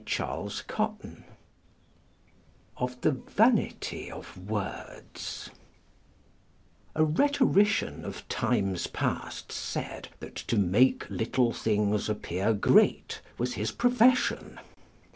CHAPTER LI OF THE VANITY OF WORDS A rhetorician of times past said, that to make little things appear great was his profession.